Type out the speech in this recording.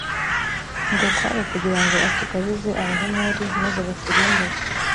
ngo kwari ukugira ngo atugabize abahemori maze baturimbure!